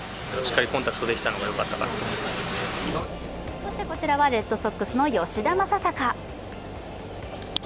そしてこちらはレッドソックスの吉田正尚。